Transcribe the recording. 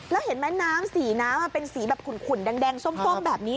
แล้วเห็นไหมน้ำสีน้ำเป็นสีแบบขุ่นแดงส้มแบบนี้